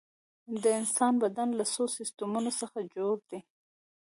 د انسان بدن له څو سیستمونو څخه جوړ دی